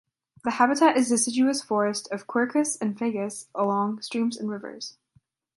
The habitat is deciduous forest of "Quercus" and "Fagus" along streams and rivers.